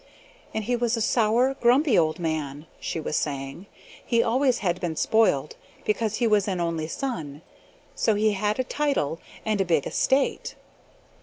" and he was a sour, grumpy, old man," she was saying. "He always had been spoiled, because he was an only son, so he had a title, and a big estate.